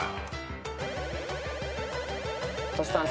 トシさん